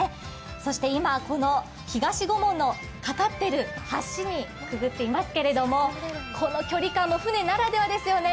そして今、この東御門に架かっている橋をくぐっていますけれどもこの距離感も舟ならではですよね。